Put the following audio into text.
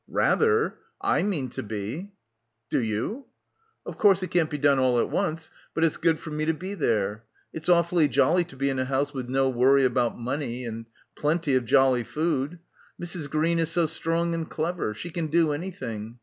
"Rather. I mean to be." "Do you?" "Of course it can't be done all at once. But it's good for me to be there. It's awfully jolly to be in a house with no worry about money and plenty of jolly food. Mrs. Green is so strong and clever. She can do anything.